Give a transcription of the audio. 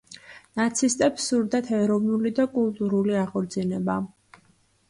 ნაცისტებს სურდათ ეროვნული და კულტურული აღორძინება.